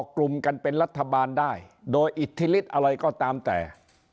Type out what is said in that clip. กลุ่มกันเป็นรัฐบาลได้โดยอิทธิฤทธิ์อะไรก็ตามแต่